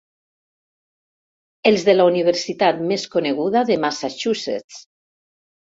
Els de la universitat més coneguda de Massachussetts.